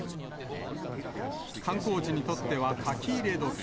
観光地にとっては書き入れ時。